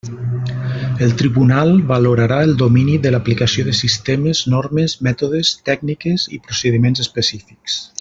El tribunal valorarà el domini de l'aplicació de sistemes, normes, mètodes, tècniques i procediments específics.